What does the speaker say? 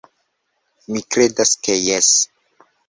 Mi kredas ke jes.